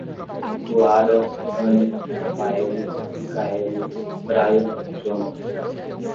Luara, Anny, Rafaele, Mikaele, Braian e Jonatha